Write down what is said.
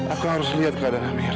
aku harus lihat keadaan amir